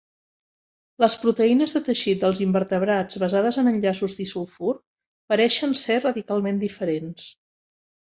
Les proteïnes de teixit dels invertebrats basades en enllaços disulfur pareixen ser radicalment diferents.